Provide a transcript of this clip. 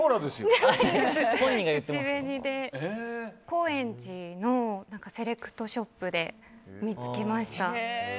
高円寺のセレクトショップで見つけました。